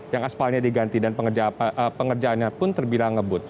yang aspalnya diganti dan pengerjaannya pun terbilang ngebut